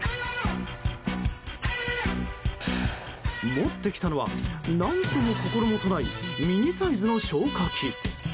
持ってきたのは何とも心もとないミニサイズの消火器。